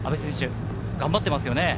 頑張ってますね。